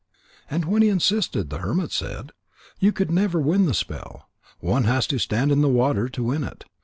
And when he insisted, the hermit said: "You could never win the spell. One has to stand in the water to win it.